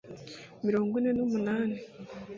mirongo ine n’ umunani